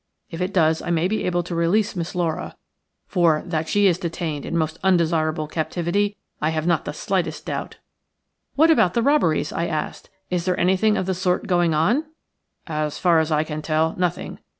If it does I may be able to release Miss Laura, for that she is detained in most undesirable captivity I have not the slightest doubt." "What about the robberies?" I asked. "Is there anything of the sort going on?" "As far as I can tell, nothing.